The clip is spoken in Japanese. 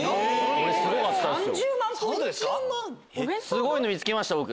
すごいの見つけました僕。